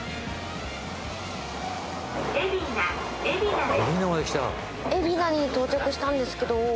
海老名に到着したんですけど。